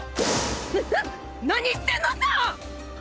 なな何してんのさ！？